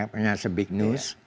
mereka punya se big news